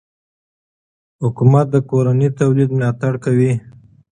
حکومت د کورني تولید ملاتړ کوي.